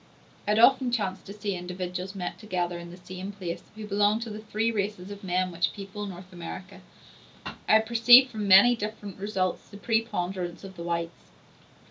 I had often chanced to see individuals met together in the same place, who belonged to the three races of men which people North America. I had perceived from many different results the preponderance of the whites.